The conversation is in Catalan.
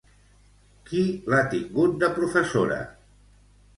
Qui l'ha tingut de professora?